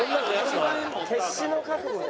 決死の覚悟で。